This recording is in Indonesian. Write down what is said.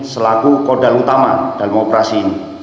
selaku kodal utama dalam operasi ini